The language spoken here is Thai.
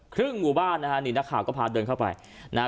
หมู่บ้านนะฮะนี่นักข่าวก็พาเดินเข้าไปนะฮะ